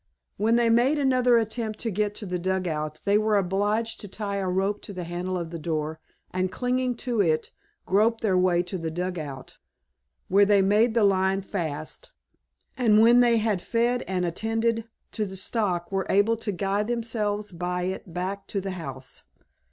When they made another attempt to get to the dugout they were obliged to tie a rope to the handle of the door and clinging to it grope their way to the dugout, where they made the line fast, and when they had fed and attended to the stock were able to guide themselves by it back to the house.